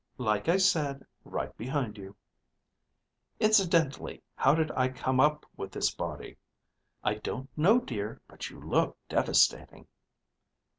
_ Like I said, right behind you. Incidentally, how did I come up with this body? _I don't know, dear, but you look devastating.